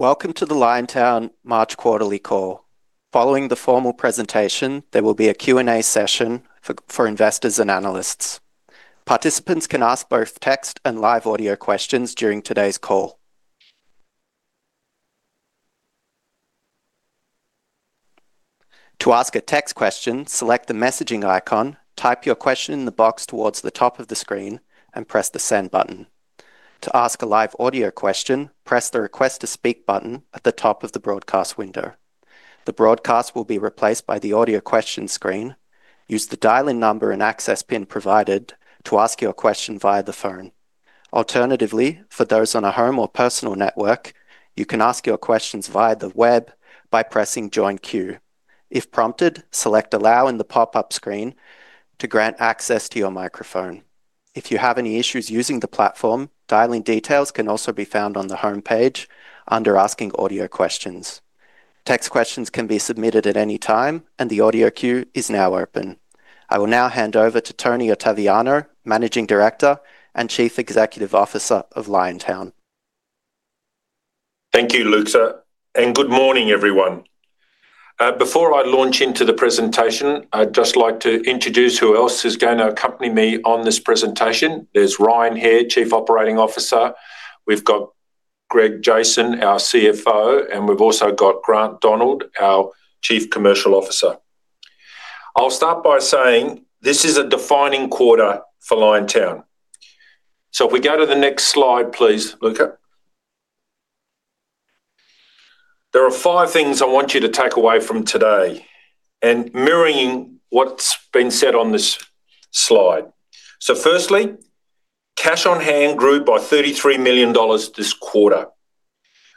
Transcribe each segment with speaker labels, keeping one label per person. Speaker 1: Welcome to the Liontown March quarterly call. Following the formal presentation, there will be a Q&A session for investors and analysts. Participants can ask both text and live audio questions during today's call. To ask a text question, select the messaging icon, type your question in the box towards the top of the screen and press the Send button. To ask a live audio question, press the Request to Speak button at the top of the broadcast window. The broadcast will be replaced by the Audio Question screen. Use the dial-in number and access PIN provided to ask your question via the phone. Alternatively, for those on a home or personal network, you can ask your questions via the web by pressing Join Queue. If prompted, select Allow in the pop-up screen to grant access to your microphone. If you have any issues using the platform, dial-in details can also be found on the homepage under Asking Audio Questions. Text questions can be submitted at any time, and the audio queue is now open. I will now hand over to Tony Ottaviano, Managing Director and Chief Executive Officer of Liontown.
Speaker 2: Thank you, Luca, and good morning, everyone. Before I launch into the presentation, I'd just like to introduce who else is going to accompany me on this presentation. There's Ryan Hair, Chief Operating Officer. We've got Greg Jason, our CFO, and we've also got Grant Donald, our Chief Commercial Officer. I'll start by saying this is a defining quarter for Liontown. If we go to the next slide, please, Luca. There are five things I want you to take away from today and mirroring what's been said on this slide. Firstly, cash on hand grew by AUD 33 million this quarter,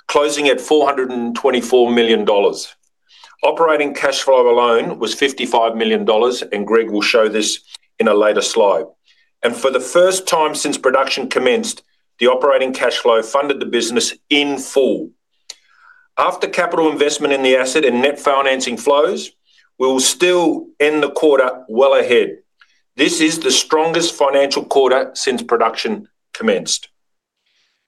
Speaker 2: closing at AUD 424 million. Operating cash flow alone was AUD 55 million, and Greg will show this in a later slide. For the first time since production commenced, the operating cash flow funded the business in full. After capital investment in the asset and net financing flows, we will still end the quarter well ahead. This is the strongest financial quarter since production commenced.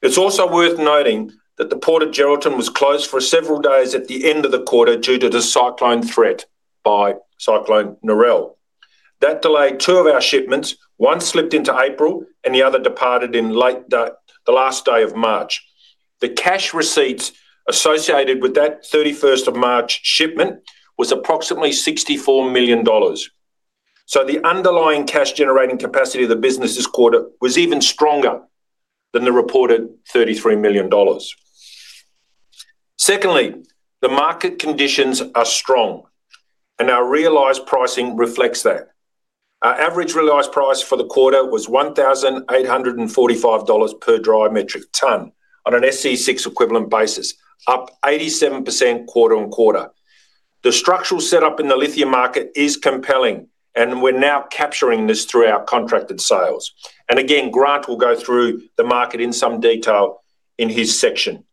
Speaker 2: It's also worth noting that the Port of Geraldton was closed for several days at the end of the quarter due to the cyclone threat by Cyclone Narelle. That delayed two of our shipments. One slipped into April, and the other departed in late the last day of March. The cash receipts associated with that 31st of March shipment was approximately 64 million dollars. The underlying cash generating capacity of the business this quarter was even stronger than the reported 33 million dollars. Secondly, the market conditions are strong, and our realized pricing reflects that. Our average realized price for the quarter was 1,845 dollars per dry metric ton on an SC6 equivalent basis, up 87% quarter-on-quarter. The structural setup in the lithium market is compelling. We're now capturing this through our contracted sales. Again, Grant Donald will go through the market in some detail in his section.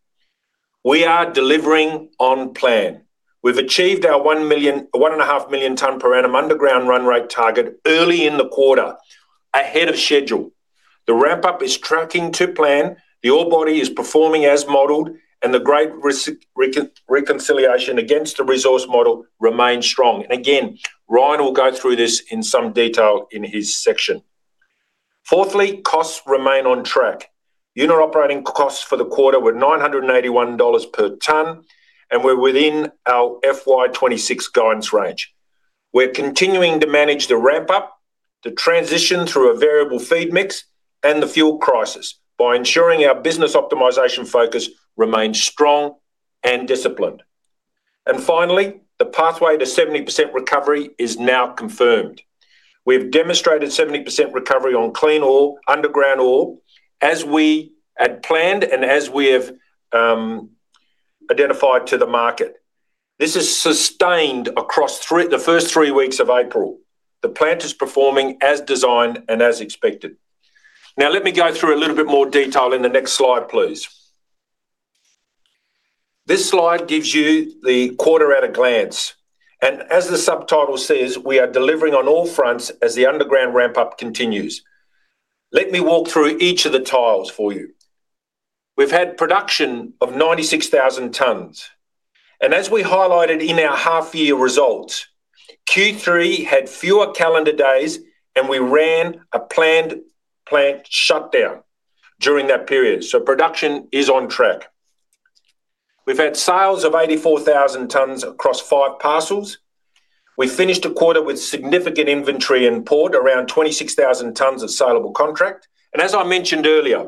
Speaker 2: We are delivering on plan. We've achieved our 1.5 million ton per annum underground run rate target early in the quarter, ahead of schedule. The ramp-up is tracking to plan, the ore body is performing as modeled, and the grade reconciliation against the resource model remains strong. Again, Ryan will go through this in some detail in his section. Fourthly, costs remain on track. Unit operating costs for the quarter were 981 dollars per ton. We're within our FY 2026 guidance range. We're continuing to manage the ramp-up, the transition through a variable feed mix, and the fuel crisis by ensuring our business optimization focus remains strong and disciplined. Finally, the pathway to 70% recovery is now confirmed. We have demonstrated 70% recovery on clean ore, underground ore, as we had planned and as we have identified to the market. This is sustained across the first three weeks of April. The plant is performing as designed and as expected. Let me go through a little bit more detail in the next slide, please. This slide gives you the quarter at a glance. As the subtitle says, we are delivering on all fronts as the underground ramp-up continues. Let me walk through each of the tiles for you. We've had production of 96,000 tons. As we highlighted in our half-year results, Q3 had fewer calendar days, and we ran a planned plant shutdown during that period. Production is on track. We've had sales of 84,000 tons across five parcels. We finished the quarter with significant inventory in port, around 26,000 tons of saleable contract. As I mentioned earlier,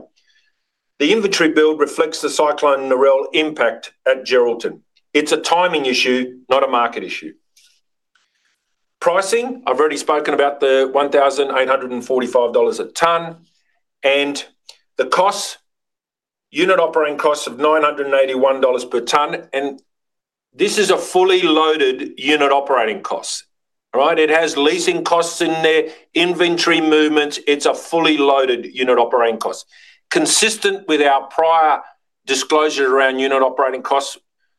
Speaker 2: the inventory build reflects the Cyclone Narelle impact at Geraldton. It's a timing issue, not a market issue. Pricing, I've already spoken about the 1,845 dollars a ton. The costs, unit operating costs of 981 dollars per ton. This is a fully loaded unit operating cost. All right? It has leasing costs in there, inventory movements. It's a fully loaded unit operating cost. Consistent with our prior disclosure around unit operating costs,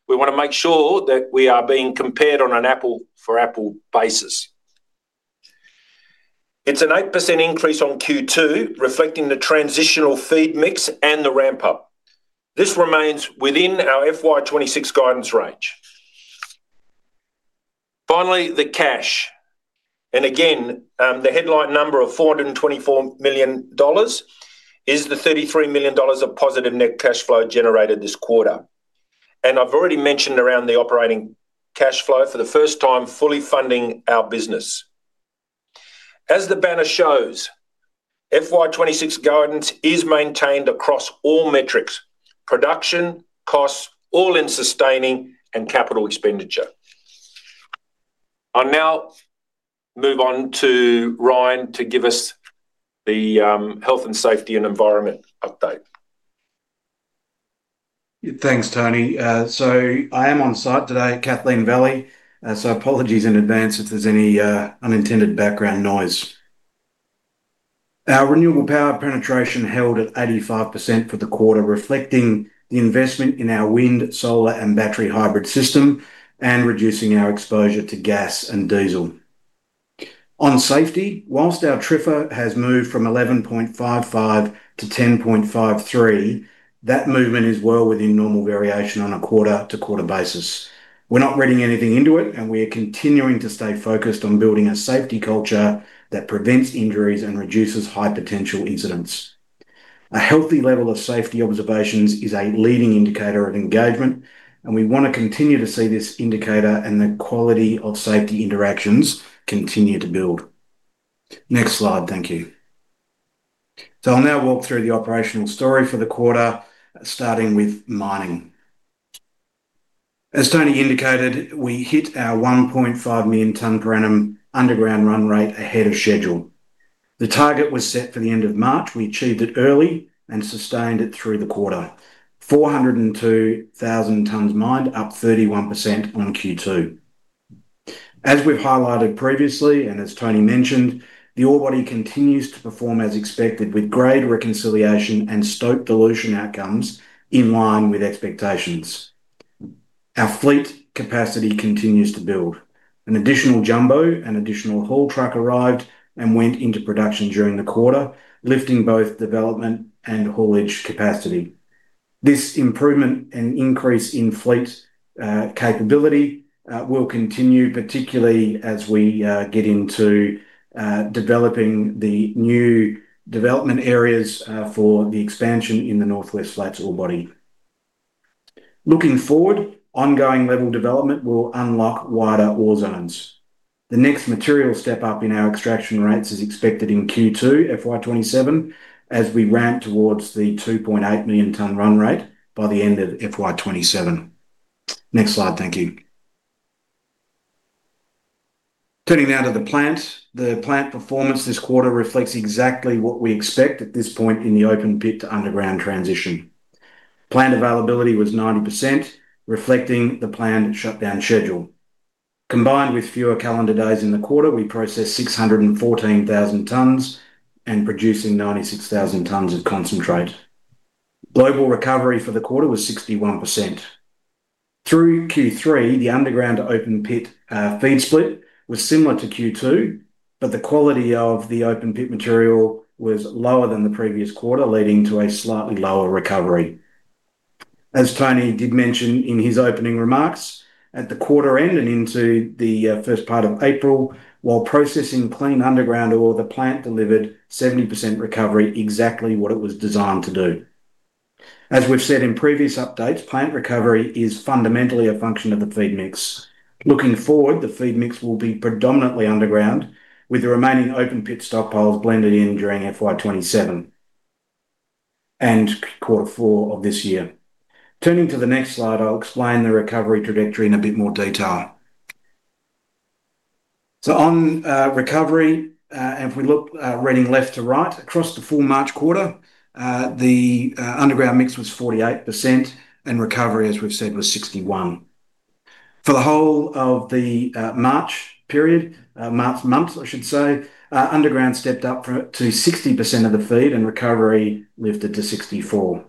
Speaker 2: we want to make sure that we are being compared on an apple for apple basis. It's an 8% increase on Q2, reflecting the transitional feed mix and the ramp up. This remains within our FY 2026 guidance range. Finally, the cash. Again, the headline number of 424 million dollars is the 33 million dollars of positive net cash flow generated this quarter. I've already mentioned around the operating cash flow for the first time, fully funding our business. As the banner shows, FY 2026 guidance is maintained across all metrics, production, costs, all-in sustaining and capital expenditure. I'll now move on to Ryan to give us the health and safety and environment update.
Speaker 3: Thanks, Tony. I am on site today at Kathleen Valley, so apologies in advance if there's any unintended background noise. Our renewable power penetration held at 85% for the quarter, reflecting the investment in our wind, solar and battery hybrid system, and reducing our exposure to gas and diesel. On safety, whilst our TRIFR has moved from 11.55-10.53, that movement is well within normal variation on a quarter-to-quarter basis. We're not reading anything into it, and we are continuing to stay focused on building a safety culture that prevents injuries and reduces high potential incidents. A healthy level of safety observations is a leading indicator of engagement, and we wanna continue to see this indicator and the quality of safety interactions continue to build. Next slide, thank you. I'll now walk through the operational story for the quarter, starting with mining. As Tony indicated, we hit our 1.5 million ton per annum underground run rate ahead of schedule. The target was set for the end of March. We achieved it early and sustained it through the quarter. 402,000 tons mined, up 31% on Q2. As we've highlighted previously, and as Tony mentioned, the ore body continues to perform as expected with grade reconciliation and stope dilution outcomes in line with expectations. Our fleet capacity continues to build. An additional jumbo and additional haul truck arrived and went into production during the quarter, lifting both development and haulage capacity. This improvement and increase in fleet capability will continue, particularly as we get into developing the new development areas for the expansion in the North West Flats ore body. Looking forward, ongoing level development will unlock wider ore zones. The next material step up in our extraction rates is expected in Q2 FY 2027 as we ramp towards the 2.8 million ton run rate by the end of FY 2027. Next slide, thank you. Turning now to the plant. The plant performance this quarter reflects exactly what we expect at this point in the open pit underground transition. Plant availability was 90%, reflecting the planned shutdown schedule. Combined with fewer calendar days in the quarter, we processed 614,000 tons and producing 96,000 tons of concentrate. Global recovery for the quarter was 61%. Through Q3, the underground open pit feed split was similar to Q2, but the quality of the open pit material was lower than the previous quarter, leading to a slightly lower recovery. As Tony did mention in his opening remarks, at the quarter end and into the first part of April, while processing clean underground ore, the plant delivered 70% recovery, exactly what it was designed to do. As we've said in previous updates, plant recovery is fundamentally a function of the feed mix. Looking forward, the feed mix will be predominantly underground, with the remaining open pit stockpiles blended in during FY 2027 and Q4 of this year. Turning to the next slide, I'll explain the recovery trajectory in a bit more detail. On recovery, and if we look, reading left to right, across the full March quarter, the underground mix was 48% and recovery, as we've said, was 61. For the whole of the March period, March month, I should say, underground stepped up to 60% of the feed and recovery lifted to 64.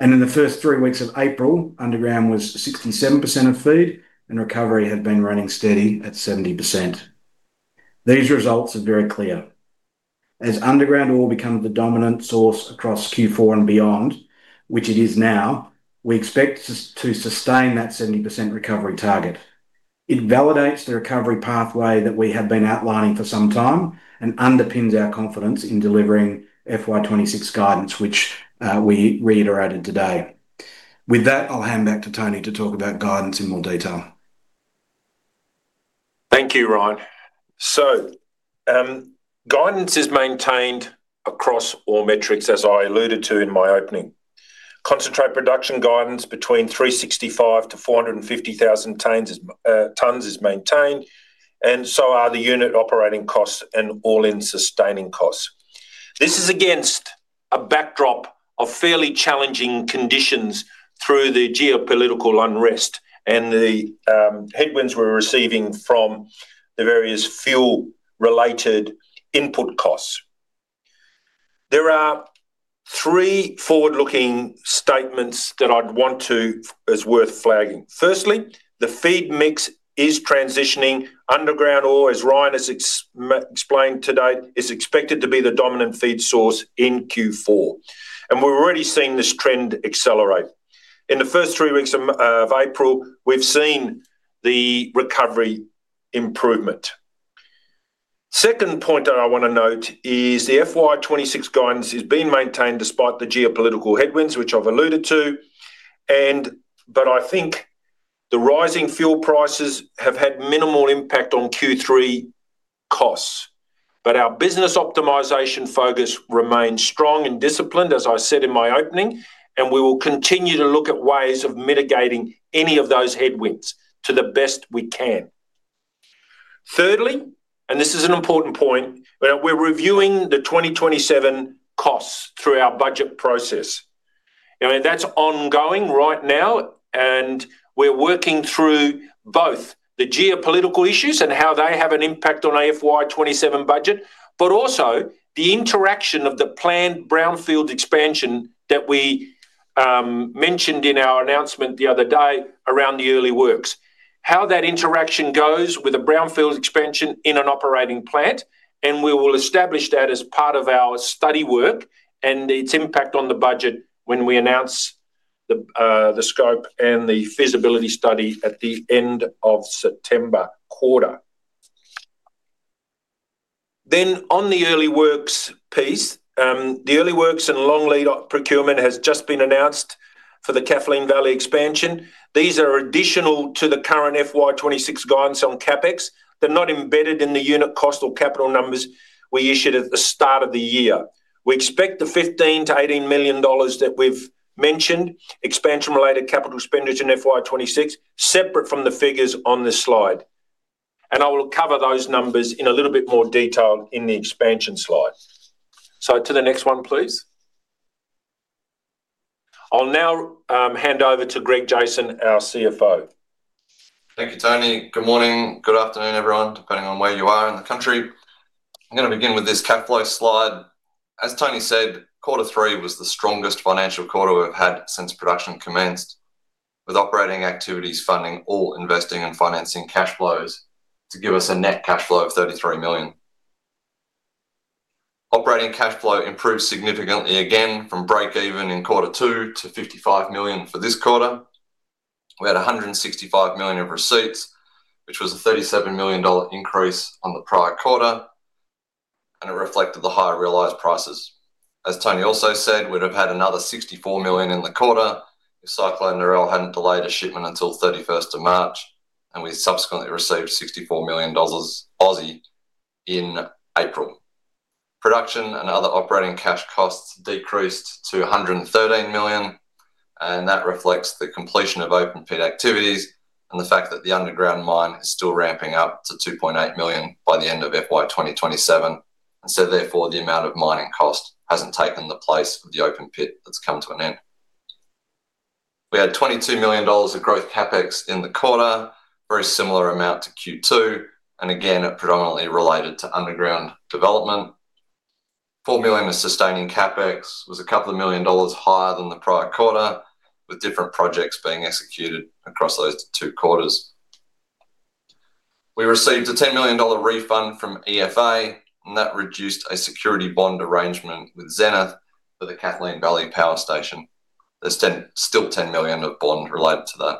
Speaker 3: In the first three weeks of April, underground was 67% of feed and recovery had been running steady at 70%. These results are very clear. As underground ore become the dominant source across Q4 and beyond, which it is now, we expect to sustain that 70% recovery target. It validates the recovery pathway that we have been outlining for some time and underpins our confidence in delivering FY 2026 guidance, which we reiterated today. With that, I'll hand back to Tony to talk about guidance in more detail.
Speaker 2: Thank you, Ryan. Guidance is maintained across all metrics, as I alluded to in my opening. Concentrate production guidance between 365 to 450,000 tons is maintained, and so are the unit operating costs and all-in sustaining costs. This is against a backdrop of fairly challenging conditions through the geopolitical unrest and the headwinds we're receiving from the various fuel-related input costs. There are three forward-looking statements that is worth flagging. Firstly, the feed mix is transitioning underground, or as Ryan has explained today, is expected to be the dominant feed source in Q4. We're already seeing this trend accelerate. In the first three weeks of April, we've seen the recovery improvement. Second point that I wanna note is the FY 2026 guidance is being maintained despite the geopolitical headwinds, which I've alluded to. But I think the rising fuel prices have had minimal impact on Q3 costs. Our business optimization focus remains strong and disciplined, as I said in my opening, and we will continue to look at ways of mitigating any of those headwinds to the best we can. Thirdly, and this is an important point, we're reviewing the 2027 costs through our budget process. You know, that's ongoing right now, and we're working through both the geopolitical issues and how they have an impact on our FY 2027 budget, but also the interaction of the planned brownfield expansion that we mentioned in our announcement the other day around the early works. How that interaction goes with a brownfield expansion in an operating plant, and we will establish that as part of our study work and its impact on the budget when we announce the scope and the feasibility study at the end of September quarter. On the early works piece, the early works and long lead procurement has just been announced for the Kathleen Valley expansion. These are additional to the current FY 2026 guidance on CapEx. They're not embedded in the unit cost or capital numbers we issued at the start of the year. We expect the 15 million-18 million dollars that we've mentioned, expansion-related capital expenditures in FY 2026, separate from the figures on this slide. I will cover those numbers in a little bit more detail in the expansion slide. To the next one, please. I'll now hand over to Greg Jason, our CFO.
Speaker 4: Thank you, Tony. Good morning. Good afternoon, everyone, depending on where you are in the country. I'm gonna begin with this cash flow slide. As Tony said, quarter three was the strongest financial quarter we've had since production commenced, with operating activities funding all investing and financing cash flows to give us a net cash flow of 33 million. Operating cash flow improved significantly again from break even in quarter two to 55 million for this quarter. We had 165 million of receipts, which was an 37 million dollar increase on the prior quarter, and it reflected the higher realized prices. As Tony also said, we'd have had another 64 million in the quarter if Cyclone Narelle hadn't delayed a shipment until 31st of March, and we subsequently received 64 million Aussie dollars in April. Production and other operating cash costs decreased to 113 million. That reflects the completion of open pit activities and the fact that the underground mine is still ramping up to 2.8 million by the end of FY 2027. Therefore, the amount of mining cost hasn't taken the place of the open pit that's come to an end. We had 22 million dollars of growth CapEx in the quarter, very similar amount to Q2. Again, predominantly related to underground development. 4 million of sustaining CapEx was a couple of million AUD higher than the prior quarter, with different projects being executed across those two quarters. We received an 10 million dollar refund from EFA. That reduced a security bond arrangement with Zenith for the Kathleen Valley Power Station. There's still 10 million of bond related to that.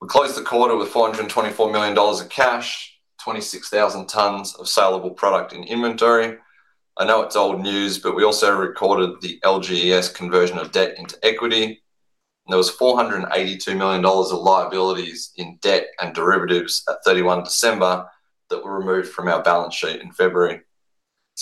Speaker 4: We closed the quarter with 424 million dollars of cash, 26,000 tons of saleable product in inventory. I know it's old news, we also recorded the LGES conversion of debt into equity. There was 482 million dollars of liabilities in debt and derivatives at 31 December that were removed from our balance sheet in February.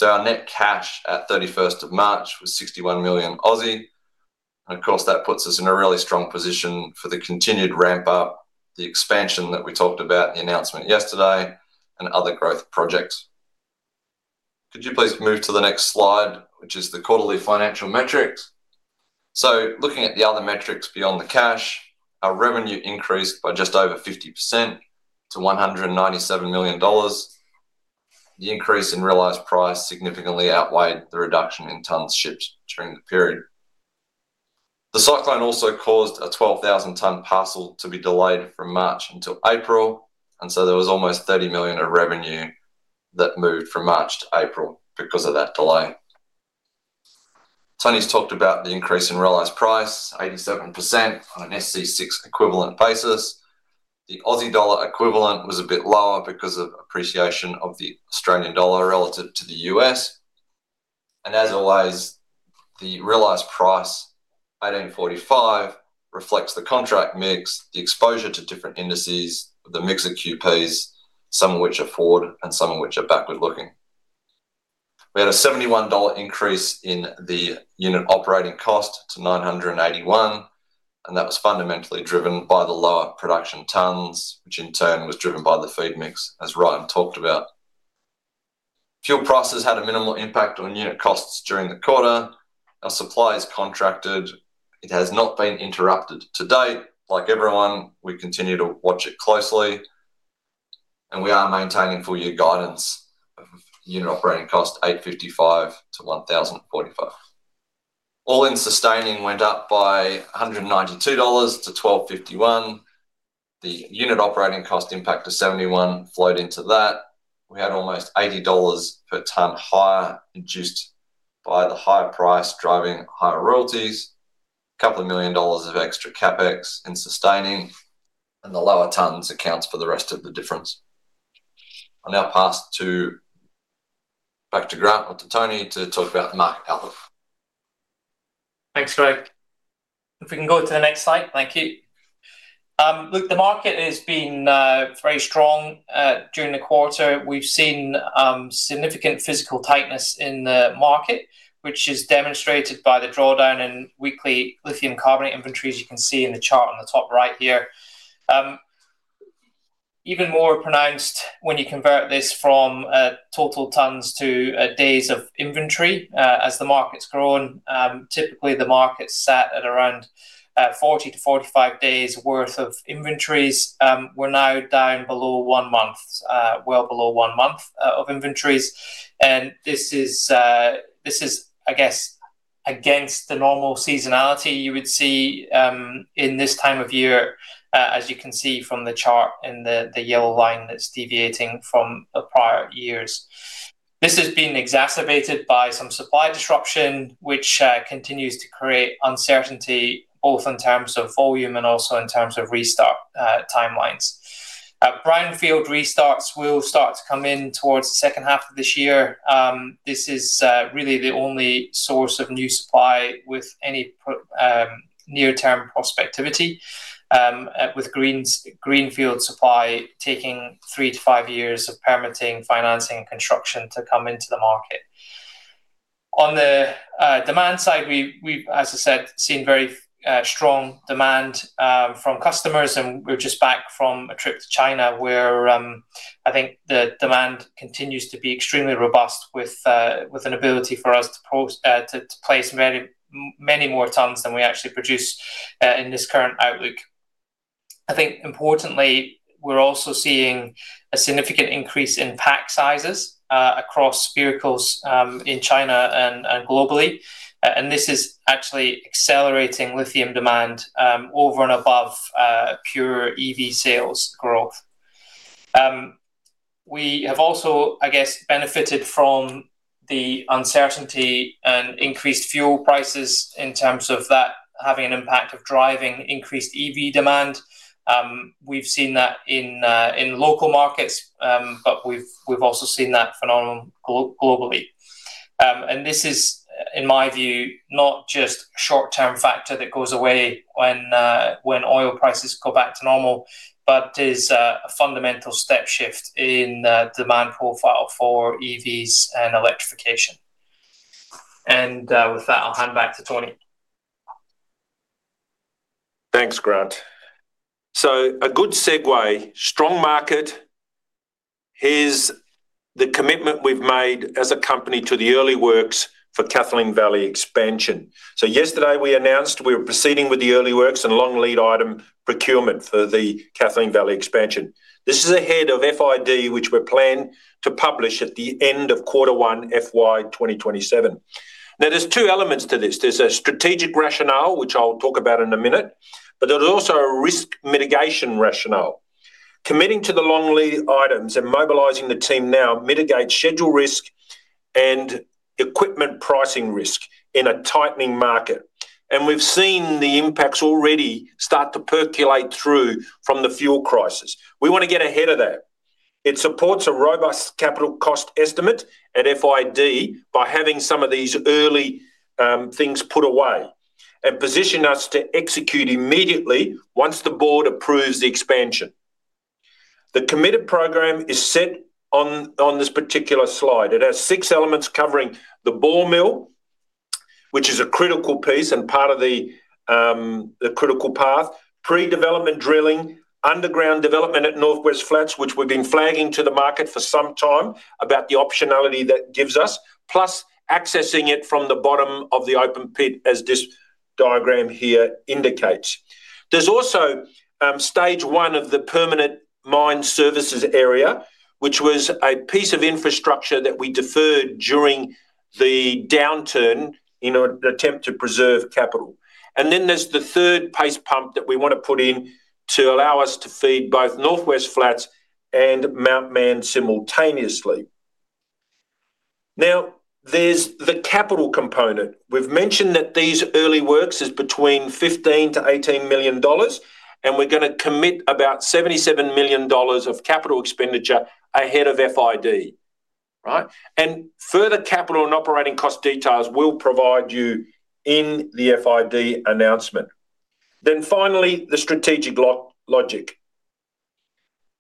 Speaker 4: Our net cash at 31st of March was 61 million. Of course, that puts us in a really strong position for the continued ramp up, the expansion that we talked about in the announcement yesterday, and other growth projects. Could you please move to the next slide, which is the quarterly financial metrics? Looking at the other metrics beyond the cash, our revenue increased by just over 50% to 197 million dollars. The increase in realized price significantly outweighed the reduction in tons shipped during the period. The cyclone also caused a 12,000 ton parcel to be delayed from March until April. There was almost 30 million of revenue that moved from March to April because of that delay. Tony's talked about the increase in realized price, 87% on an SC6 equivalent basis. The Aussie dollar equivalent was a bit lower because of appreciation of the Australian dollar relative to the U.S. As always, the realized price, 1,845, reflects the contract mix, the exposure to different indices, the mix of QPs, some of which are forward and some of which are backward-looking. We had an 71 dollar increase in the unit operating cost to 981, and that was fundamentally driven by the lower production tons, which in turn was driven by the feed mix, as Ryan talked about. Fuel prices had a minimal impact on unit costs during the quarter. Our supply is contracted. It has not been interrupted to date. Like everyone, we continue to watch it closely. We are maintaining full year guidance of unit operating cost 855-1,045. All-in sustaining went up by 192-1,251 dollars. The unit operating cost impact of 71 flowed into that. We had almost 80 dollars per ton higher induced by the higher price driving higher royalties. 2 million dollars of extra CapEx in sustaining, and the lower tons accounts for the rest of the difference. I'll now pass back to Grant or to Tony to talk about the market outlook.
Speaker 5: Thanks, Greg. If we can go to the next slide. Thank you. Look, the market has been very strong during the quarter. We've seen significant physical tightness in the market, which is demonstrated by the drawdown in weekly lithium carbonate inventories, you can see in the chart on the top right here. Even more pronounced when you convert this from total tons to days of inventory. As the market's grown, typically the market sat at around 40-45 days worth of inventories. We're now down below one month. Well below one month of inventories. This is, I guess, against the normal seasonality you would see in this time of year, as you can see from the chart in the yellow line that's deviating from the prior years. This has been exacerbated by some supply disruption, which continues to create uncertainty both in terms of volume and also in terms of restart timelines. Brownfield restarts will start to come in towards the second half of this year. This is really the only source of new supply with any near-term prospectivity, with greenfield supply taking three to five years of permitting, financing, and construction to come into the market. On the demand side, we, as I said, seen very strong demand from customers and we're just back from a trip to China where I think the demand continues to be extremely robust with an ability for us to place many more tons than we actually produce in this current outlook. I think importantly, we're also seeing a significant increase in pack sizes across vehicles in China and globally. This is actually accelerating lithium demand over and above pure EV sales growth. We have also, I guess, benefited from the uncertainty and increased fuel prices in terms of that having an impact of driving increased EV demand. We've seen that in local markets, we've also seen that phenomenon globally. This is, in my view, not just a short-term factor that goes away when oil prices go back to normal, but is a fundamental step shift in demand profile for EVs and electrification. With that, I'll hand back to Tony.
Speaker 2: Thanks, Grant. A good segue. Strong market. Here's the commitment we've made as a company to the early works for Kathleen Valley expansion. Yesterday we announced we were proceeding with the early works and long lead item procurement for the Kathleen Valley expansion. This is ahead of FID, which we plan to publish at the end of quarter one FY 2027. There's two elements to this. There's a strategic rationale, which I'll talk about in a minute, but there's also a risk mitigation rationale. Committing to the long lead items and mobilizing the team now mitigates schedule risk and equipment pricing risk in a tightening market. We've seen the impacts already start to percolate through from the fuel crisis. We want to get ahead of that. It supports a robust capital cost estimate at FID by having some of these early things put away and position us to execute immediately once the board approves the expansion. The committed program is set on this particular slide. It has six elements covering the ball mill, which is a critical piece and part of the critical path. Pre-development drilling, underground development at North West Flats, which we've been flagging to the market for some time about the optionality that gives us, plus accessing it from the bottom of the open pit, as this diagram here indicates. There's also stage one of the permanent mine services area, which was a piece of infrastructure that we deferred during the downturn in an attempt to preserve capital. There's the third paste pump that we want to put in to allow us to feed both North West Flats and Mount Mann simultaneously. There's the capital component. We've mentioned that these early works is between 15 million-18 million dollars, and we're gonna commit about 77 million dollars of capital expenditure ahead of FID, right? Further capital and operating cost details we'll provide you in the FID announcement. Finally, the strategic logic.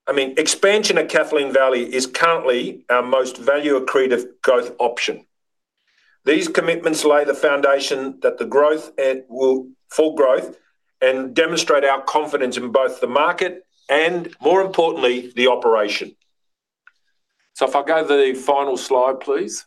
Speaker 2: I mean, expansion of Kathleen Valley is currently our most value accretive growth option. These commitments lay the foundation that the full growth and demonstrate our confidence in both the market and, more importantly, the operation. If I go to the final slide, please.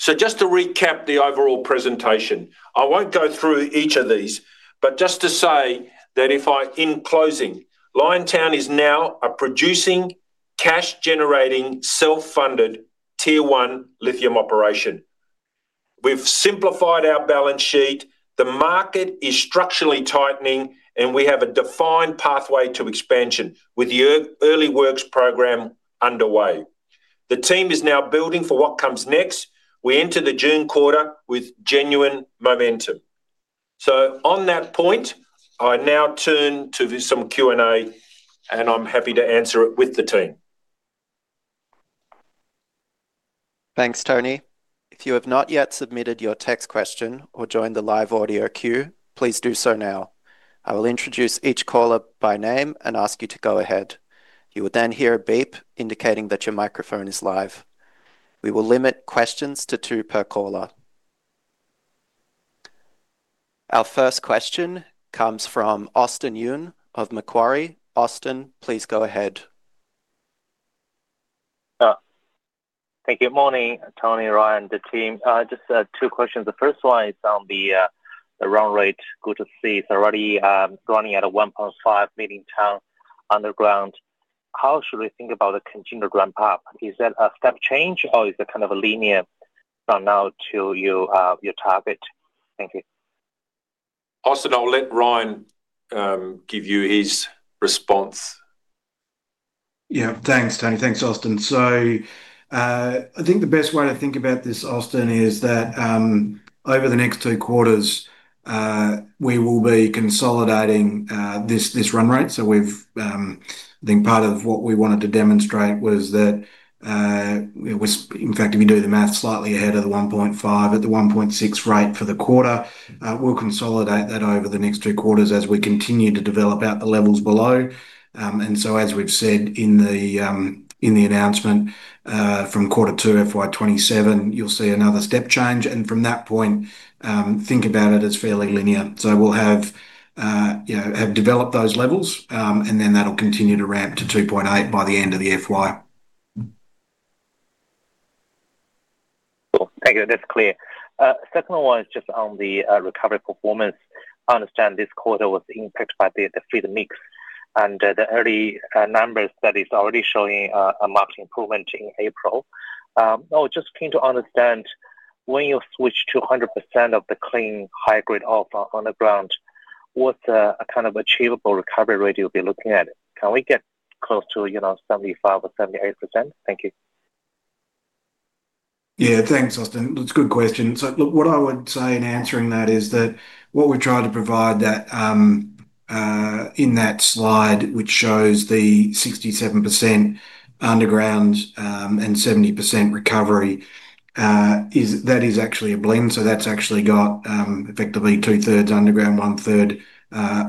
Speaker 2: Just to recap the overall presentation. I won't go through each of these, but just to say that in closing, Liontown is now a producing, cash-generating, self-funded tier one lithium operation. We've simplified our balance sheet. The market is structurally tightening. We have a defined pathway to expansion with the early works program underway. The team is now building for what comes next. We enter the June quarter with genuine momentum. On that point, I now turn to some Q&A. I'm happy to answer it with the team.
Speaker 1: Thanks, Tony. If you have not yet submitted your text question or joined the live audio queue, please do so now. I will introduce each caller by name and ask you to go ahead. You will then hear a beep indicating that your microphone is live. We will limit questions to two per caller. Our first question comes from Austin Yun of Macquarie. Austin, please go ahead.
Speaker 6: Thank you. Morning, Tony, Ryan, the team. Just two questions. The first one is on the run rate. Good to see it's already running at a 1.5 million ton underground. How should we think about the continued ramp up? Is that a step change or is it kind of a linear from now to your target? Thank you.
Speaker 2: Austin, I'll let Ryan give you his response.
Speaker 3: Thanks, Tony. Thanks, Austin. I think the best way to think about this, Austin, is that over the next two quarters, we will be consolidating this run rate. We've, I think part of what we wanted to demonstrate was that we're in fact, if you do the math slightly ahead of the 1.5, at the 1.6 rate for the quarter, we'll consolidate that over the next two quarters as we continue to develop out the levels below. As we've said in the announcement, from quarter two FY 2027, you'll see another step change. From that point, think about it as fairly linear. We'll have, you know, have developed those levels, and then that'll continue to ramp to 2.8 by the end of the FY.
Speaker 6: Cool. Thank you. That's clear. Second one was just on the recovery performance. I understand this quarter was impacted by the feed mix and the early numbers that is already showing a marked improvement in April. I was just keen to understand when you switch to 100% of the clean high grade ore on the ground, what kind of achievable recovery rate you'll be looking at? Can we get close to, you know, 75% or 78%? Thank you.
Speaker 3: Thanks, Austin. That's a good question. Look, what I would say in answering that is that what we've tried to provide that in that slide, which shows the 67% underground and 70% recovery, that is actually a blend. That's actually got effectively 2/3 underground, 1/3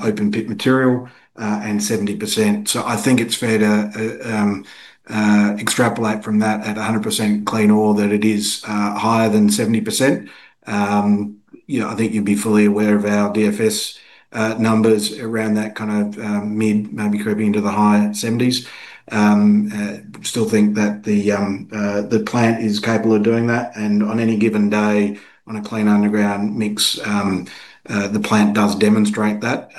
Speaker 3: open pit material, and 70%. I think it's fair to extrapolate from that at 100% clean ore that it is higher than 70%. You know, I think you'd be fully aware of our DFS numbers around that kind of mid, maybe creeping into the high 70s%. Still think that the plant is capable of doing that. On any given day, on a clean underground mix, the plant does demonstrate that.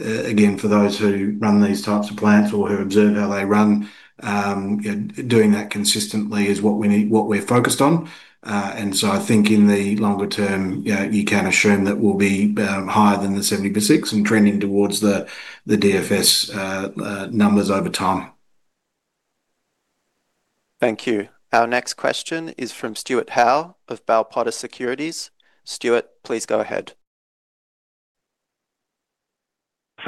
Speaker 3: Again, for those who run these types of plants or who observe how they run, you know, doing that consistently is what we need, what we're focused on. I think in the longer-term, you know, you can assume that we'll be higher than the 76% and trending towards the DFS numbers over time.
Speaker 1: Thank you. Our next question is from Stuart Howe of Bell Potter Securities. Stuart, please go ahead.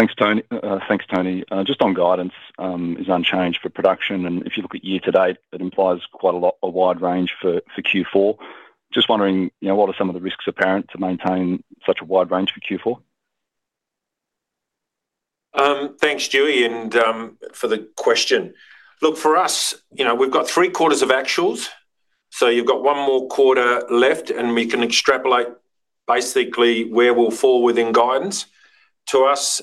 Speaker 7: Thanks, Tony. Thanks, Tony. Just on guidance, is unchanged for production. If you look at year to date, it implies quite a lot, a wide range for Q4. Just wondering, you know, what are some of the risks apparent to maintain such a wide range for Q4?
Speaker 2: Thanks, Stewie, for the question. For us, you know, we've got three quarters of actuals, you've got one more quarter left, we can extrapolate basically where we'll fall within guidance. To us,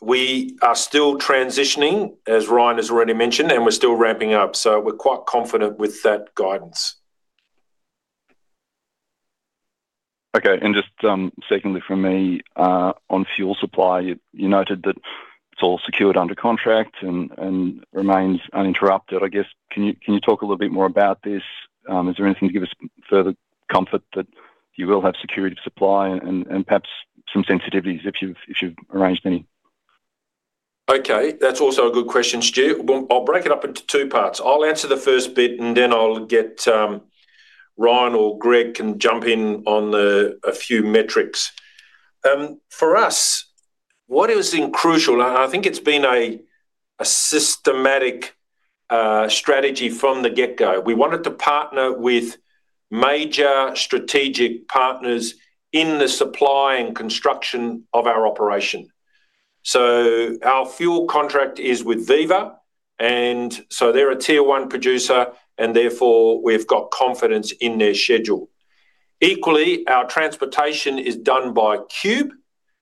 Speaker 2: we are still transitioning, as Ryan has already mentioned, we're still ramping up. We're quite confident with that guidance.
Speaker 7: Okay. Just secondly from me on fuel supply, you noted that it's all secured under contract and remains uninterrupted. I guess, can you talk a little bit more about this? Is there anything to give us further comfort that you will have security of supply and perhaps some sensitivities if you've arranged any?
Speaker 2: Okay. That's also a good question, Stu. I'll break it up into two parts. I'll answer the first bit, and then I'll get Ryan or Greg can jump in on the, a few metrics. For us, what has been crucial, and I think it's been a systematic strategy from the get-go. We wanted to partner with major strategic partners in the supply and construction of our operation. Our fuel contract is with Viva, and so they're a tier one producer, and therefore, we've got confidence in their schedule. Equally, our transportation is done by Qube.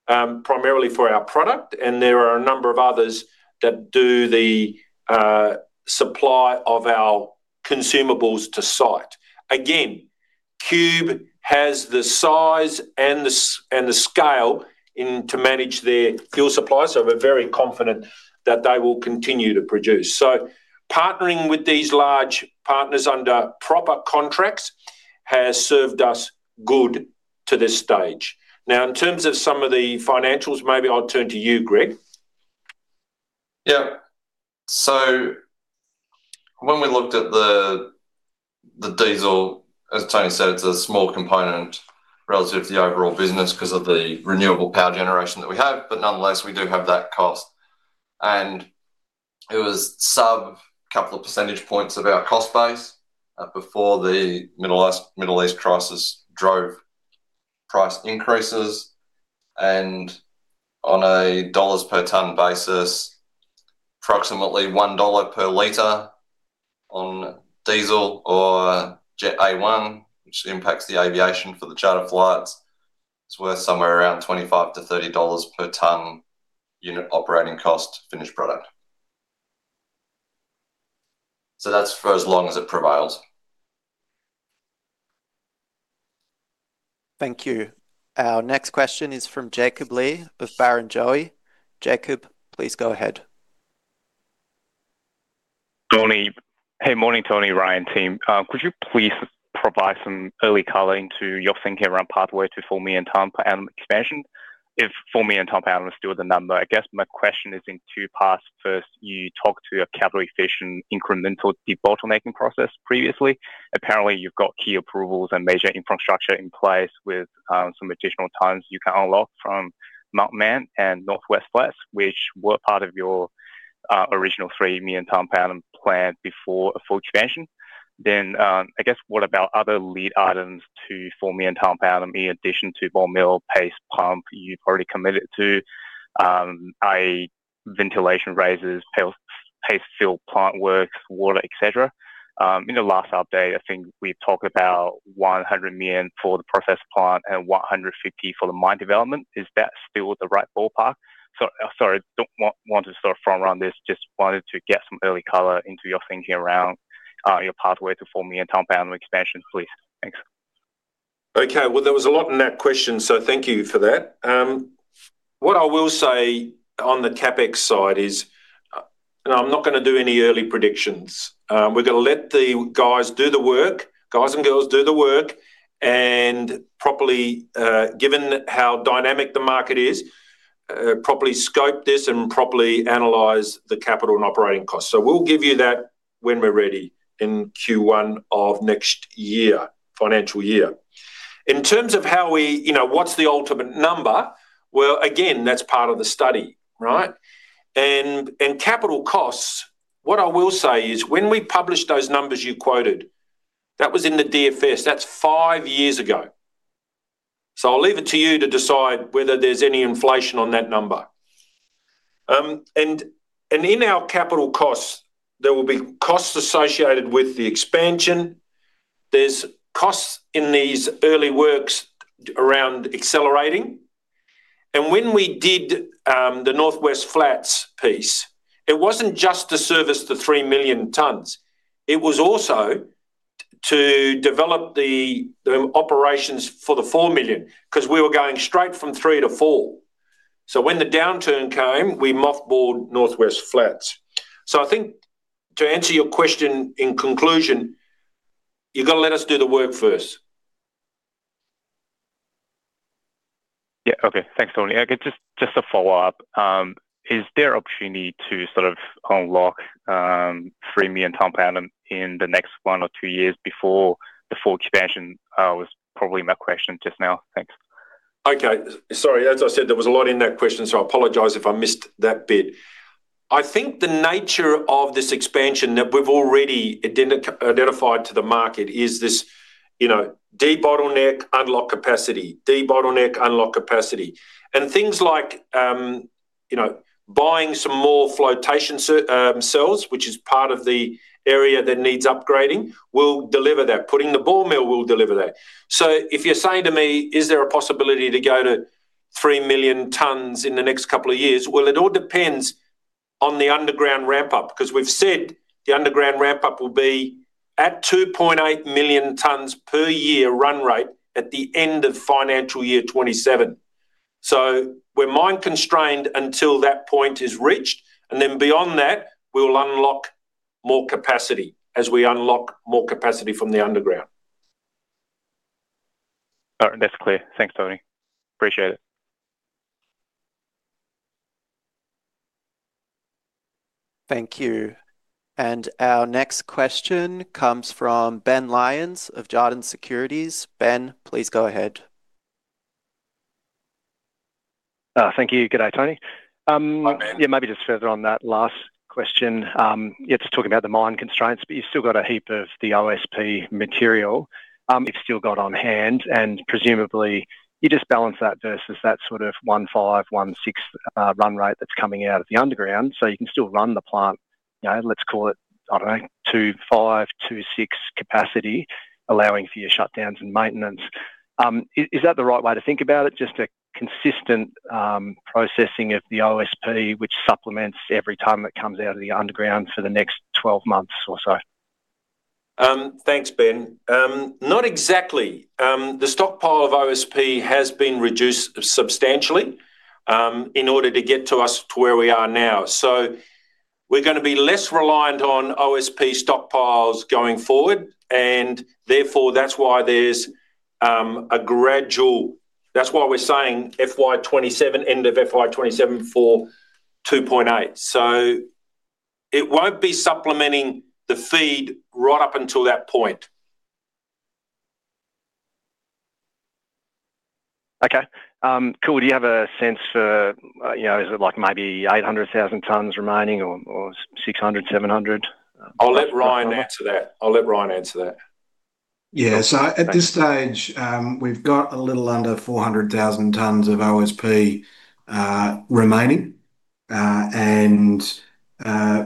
Speaker 2: Primarily for our product, and there are a number of others that do the supply of our consumables to site. Again, Qube has the size and the scale to manage their fuel supply, so we're very confident that they will continue to produce. Partnering with these large partners under proper contracts has served us good to this stage. In terms of some of the financials, maybe I'll turn to you, Greg.
Speaker 4: Yeah. When we looked at the diesel, as Tony said, it's a small component relative to the overall business 'cause of the renewable power generation that we have. Nonetheless, we do have that cost. It was sub couple of percentage points of our cost base before the Middle East crisis drove price increases. On AUD 1 per ton basis, approximately 1 dollar per liter on diesel or Jet A-1, which impacts the aviation for the charter flights. It's worth somewhere around 25-30 dollars per ton unit operating cost finished product. That's for as long as it prevails.
Speaker 1: Thank you. Our next question is from Jacob Li of Barrenjoey. Jacob, please go ahead.
Speaker 8: Tony. Hey, morning, Tony, Ryan team. Could you please provide some early color into your thinking around pathway to 4 million ton per annum expansion if 4 million ton per annum is still the number? I guess my question is in two parts. First, you talked to a capital efficient incremental debottlenecking process previously. Apparently, you've got key approvals and major infrastructure in place with some additional tons you can unlock from Mount Mann and North West Flats, which were part of your original 3 million ton per annum plan before a full expansion. I guess what about other lead items to 4 million ton per annum in addition to ball mill, paste pump you've already committed to, i.e. ventilation raises, paste fill plant work, water, et cetera In the last update, I think we talked about 100 million for the process plant and 150 for the mine development. Is that still the right ballpark? sorry, don't want to sort of front run this. Just wanted to get some early color into your thinking around your pathway to 4 million ton per annum expansion, please. Thanks.
Speaker 2: Okay. Well, there was a lot in that question, so thank you for that. What I will say on the CapEx side is, no, I'm not gonna do any early predictions. We're gonna let the guys do the work. Guys and girls do the work and properly, given how dynamic the market is, properly scope this and properly analyze the capital and operating costs. We'll give you that when we're ready in Q1 of next year, financial year. In terms of how we, you know, what's the ultimate number? Well, again, that's part of the study, right? Capital costs, what I will say is when we published those numbers you quoted, that was in the DFS. That's five years ago. I'll leave it to you to decide whether there's any inflation on that number. In our capital costs, there will be costs associated with the expansion. There's costs in these early works around accelerating. When we did the North West Flats piece, it wasn't just to service the 3 million tons. It was also to develop the operations for the 4 million, 'cause we were going straight from three to four. When the downturn came, we mothballed North West Flats. I think to answer your question, in conclusion, you gotta let us do the work first.
Speaker 8: Okay. Thanks, Tony. Okay. Just a follow-up. Is there opportunity to sort of unlock 3 million ton per annum in the next one or two years before the full expansion? Was probably my question just now. Thanks.
Speaker 2: Okay. Sorry. As I said, there was a lot in that question, so I apologize if I missed that bit. I think the nature of this expansion that we've already identified to the market is this, you know, debottleneck, unlock capacity. Things like, you know, buying some more flotation cells, which is part of the area that needs upgrading, will deliver that. Putting the ball mill will deliver that. If you're saying to me, is there a possibility to go to 3 million tons in the next couple of years? It all depends on the underground ramp up, 'cause we've said the underground ramp up will be at 2.8 million tons per year run rate at the end of FY 2027. We're mine constrained until that point is reached, and then beyond that, we will unlock more capacity as we unlock more capacity from the underground.
Speaker 8: All right. That's clear. Thanks, Tony. Appreciate it.
Speaker 1: Thank you. Our next question comes from Ben Lyons of Jarden Securities. Ben, please go ahead.
Speaker 9: Thank you. Good day, Tony.
Speaker 2: Hi, Ben.
Speaker 9: Maybe just further on that last question. Just talking about the mine constraints, but you've still got a heap of the OSP material, you've still got on hand, and presumably you just balance that versus that sort of 1.5, 1.6 run rate that's coming out of the underground, so you can still run the plant. You know, let's call it, I don't know, 2.5, 2.6 capacity, allowing for your shutdowns and maintenance. Is that the right way to think about it? Just a consistent processing of the OSP which supplements every time it comes out of the underground for the next 12 months or so?
Speaker 2: Thanks, Ben. Not exactly. The stockpile of OSP has been reduced substantially in order to get to us to where we are now. We're going to be less reliant on OSP stockpiles going forward, and therefore that's why there's a gradual... That's why we're saying FY 2027, end of FY 2027 for 2.8. It won't be supplementing the feed right up until that point.
Speaker 9: Okay. Cool. Do you have a sense for, you know, is it like maybe 800,000 tons remaining or 600, 700?
Speaker 2: I'll let Ryan answer that.
Speaker 3: Yeah. At this stage, we've got a little under 400,000 tons of OSP remaining.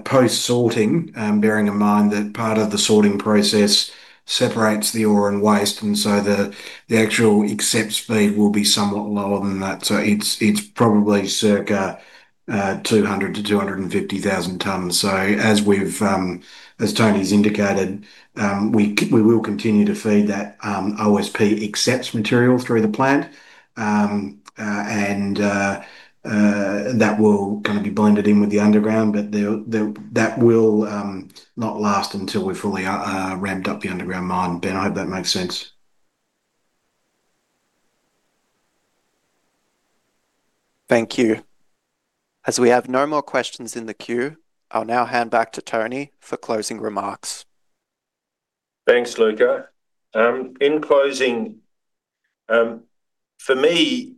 Speaker 3: Post-sorting, bearing in mind that part of the sorting process separates the ore and waste, and so the actual accepts feed will be somewhat lower than that. It's probably circa 200,000-250,000 tons. As we've, as Tony's indicated, we will continue to feed that OSP accepts material through the plant. That will kind of be blended in with the underground, but that will not last until we fully ramped up the underground mine. Ben, I hope that makes sense.
Speaker 1: Thank you. As we have no more questions in the queue, I'll now hand back to Tony for closing remarks.
Speaker 2: Thanks, Luca. In closing, for me,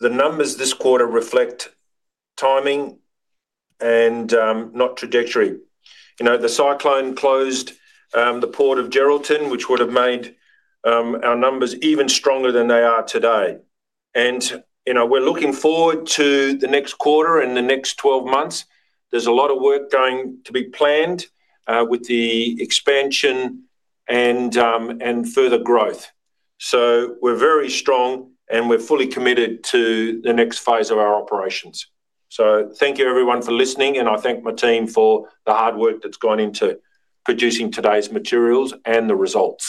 Speaker 2: the numbers this quarter reflect timing and not trajectory. You know, the cyclone closed the Port of Geraldton, which would have made our numbers even stronger than they are today. You know, we're looking forward to the next quarter and the next 12 months. There's a lot of work going to be planned with the expansion and further growth. We're very strong, and we're fully committed to the next phase of our operations. Thank you everyone for listening, and I thank my team for the hard work that's gone into producing today's materials and the results.